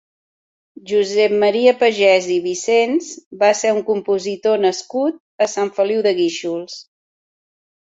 Josep Maria Pagès i Vicens va ser un compositor nascut a Sant Feliu de Guíxols.